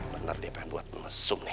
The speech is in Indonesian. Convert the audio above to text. bener dia pengen buat mesum nih